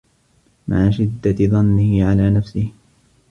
مَعَ شِدَّةِ ضَنِّهِ عَلَى نَفْسِهِ